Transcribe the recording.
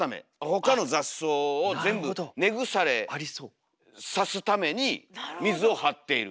ほかの雑草を全部根腐れさすために水を張っている。